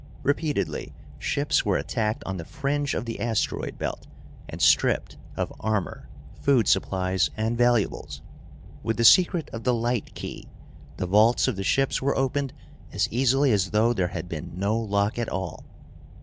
Repeatedly, ships were attacked on the fringe of the asteroid belt and stripped of armor, food supplies, and valuables. With the secret of the light key, the vaults of the ships were opened as easily as though there had been no lock at all.